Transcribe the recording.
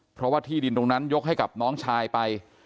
เพราะว่าที่ดินตรงนั้นยกให้กับน้องชายไป